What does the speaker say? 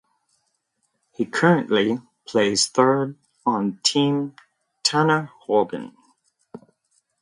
He currently plays third on Team Tanner Horgan.